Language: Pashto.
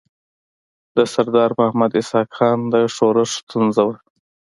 د سردار محمد اسحق خان د ښورښ ستونزه وه.